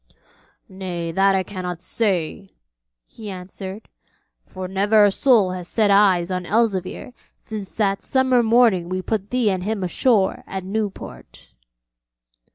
'Nay, that I cannot say,' he answered, 'for never a soul has set eyes on Elzevir since that summer morning we put thee and him ashore at Newport.'